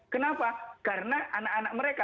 kenapa karena anak anak mereka